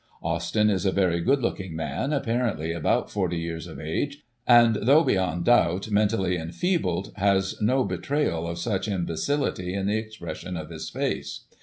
Austin is a very good looking man, apparently about 40 years of age; and though, beyond doubt, mentally enfeebled, has no betrayal of such imbecility in the expression of his face.